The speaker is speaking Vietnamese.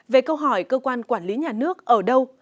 về câu hỏi cơ quan quản lý nhà nước ở đâu